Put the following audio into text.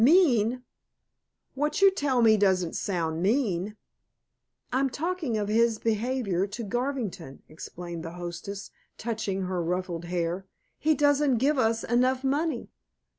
"Mean? What you tell me doesn't sound mean." "I'm talking of his behavior to Garvington," explained the hostess, touching her ruffled hair, "he doesn't give us enough money."